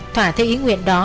thỏa thê ý nguyện đó